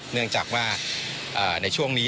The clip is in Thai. เนื่องจากว่าในช่วงนี้